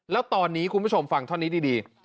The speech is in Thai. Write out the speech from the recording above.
แล้วตอนนี้คุณผู้ชมฟังเท่านี้ดี